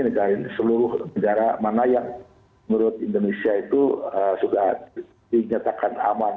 negara ini seluruh negara mana yang menurut indonesia itu sudah dinyatakan aman